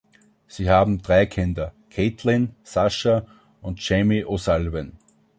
Sie haben drei Kinder: Caitlin, Sascha und Jamie O'Sullivan.